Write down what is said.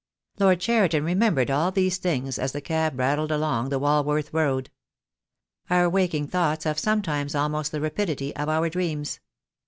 Lord Cheriton remembered all these things as the cab rattled along the Walworth Road. Our waking thoughts have sometimes almost the rapidity of our dreams.